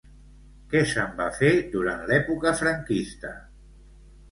Què se'n va fer durant l'època franquista?